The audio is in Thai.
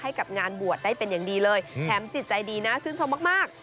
ให้กับงานบวชได้เป็นอย่างดีเลยแถมจิตใจดีนะชื่นชมมาก